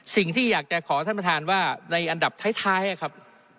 สิ่งที่อยากจะขอท่านประธานว่าในอันดับท้ายครับ